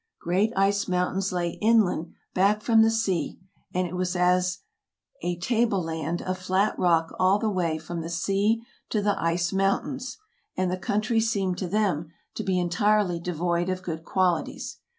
Great ice mountains lay inland back from the sea, and it was as a 10 TRAVELERS AND EXPLORERS [tableland of] flat rock all the way from the sea to the ice mountains; and the country seemed to them to be entirely devoid of good qualities.